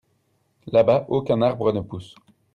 Là-bas, aucun arbre ne pousse.